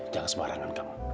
jangan sebarangan kamu